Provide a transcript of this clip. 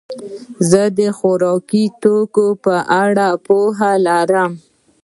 زه د خوراکي توکو په اړه پوهه لرم.